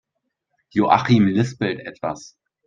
Joachim lispelt etwas.